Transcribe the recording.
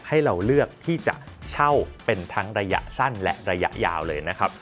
ให้เราเลือกที่จะเช่าเป็นทั้งระยะสั้นและระยะยาวเลยนะครับ